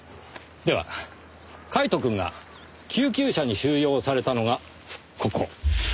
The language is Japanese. ではカイトくんが救急車に収容されたのがここ。